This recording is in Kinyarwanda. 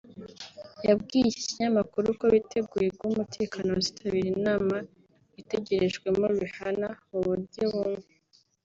yabwiye iki kinyamakuru ko biteguye guha umutekano abazitabiri inama itegerejwemo Rihanna mu buryo bumwe